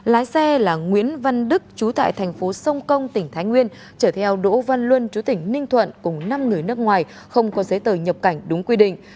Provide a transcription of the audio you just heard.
lái xe là nguyễn văn đức chú tại thành phố sông công tỉnh thái nguyên chở theo đỗ văn luân chú tỉnh ninh thuận cùng năm người nước ngoài không có giấy tờ nhập cảnh đúng quy định